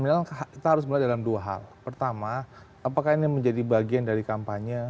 pertama apakah ini menjadi bagian dari kampanye apakah ini menjadi bagian dari kampanye apakah ini menjadi bagian dari kampanye